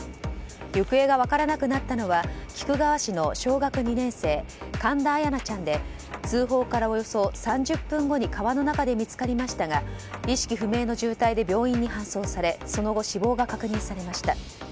行方が分からなくなったのは菊川市の小学２年生神田彩陽奈ちゃんで通報からおよそ３０分後に川の中で見つかりましたが意識不明の重体で病院に搬送されその後、死亡が確認されました。